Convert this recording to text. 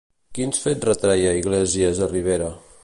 Quins fets retreia Iglesias a Rivera?